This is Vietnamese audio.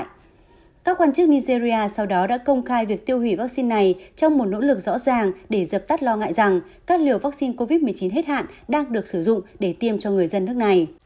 các quan chức nigeria sau đó đã công khai việc tiêu hủy vaccine này trong một nỗ lực rõ ràng để dập tắt lo ngại rằng các liều vaccine covid một mươi chín hết hạn đang được sử dụng để tiêm cho người dân nước này